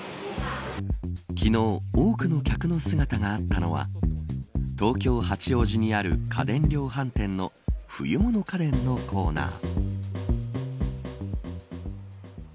昨日多くの客の姿があったのは東京、八王子にある家電量販店の冬物家電のコーナー。